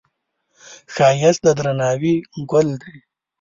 ښایست د درناوي ګل دی